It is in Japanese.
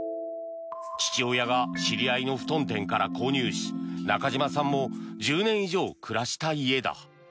父親が知り合いの布団店から購入し中島さんも１０年以上暮らした家だ。